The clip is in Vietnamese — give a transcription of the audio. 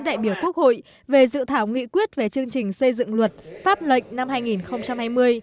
đại biểu quốc hội về dự thảo nghị quyết về chương trình xây dựng luật pháp lệnh năm hai nghìn hai mươi